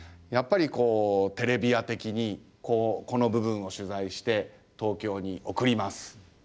やっぱりテレビ屋的にこの部分を取材して東京に送ります。